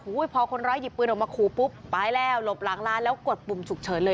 พอคนร้ายหยิบปืนออกมาขู่ปุ๊บไปแล้วหลบหลังร้านแล้วกดปุ่มฉุกเฉินเลย